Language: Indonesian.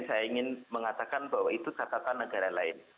saya ingin mengatakan bahwa itu catatan negara lain